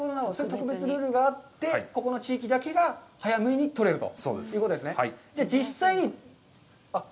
特別ルールがあって、ここの地域だけが早めに取れると。